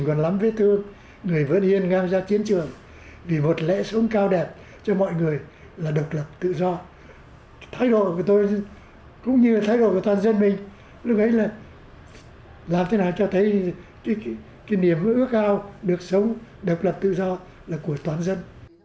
lúc ấy là làm thế nào cho thấy cái niềm ước cao được sống độc lập tự do là của toàn dân